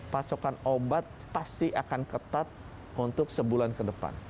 pasokan obat pasti akan ketat untuk sebulan ke depan